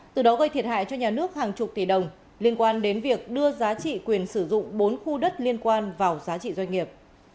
từ đó gây thiệt hại cho nhà nước hàng chục tỷ đồng liên quan đến việc đưa giá trị quyền sử dụng bốn khu đất liên quan vào giá trị doanh nghiệp